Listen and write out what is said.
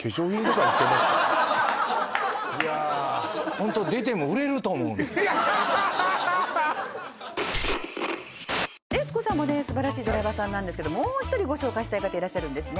ホント悦子さんもね素晴らしいドライバーさんなんですけどももう一人ご紹介したい方いらっしゃるんですね